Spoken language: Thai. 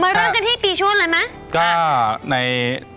มันเป็นช่วงที่ฉันอยากฟังที่สุด